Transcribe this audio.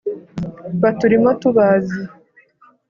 baturimo tubazi